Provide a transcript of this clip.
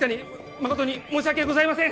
誠に申し訳ございません！